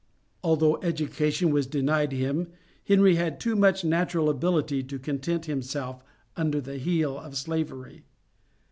Although education was denied him, Henry had too much natural ability to content himself under the heel of Slavery.